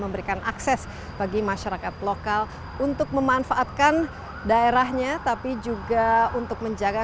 memberikan akses bagi masyarakat lokal untuk memanfaatkan daerahnya tapi juga untuk menjaga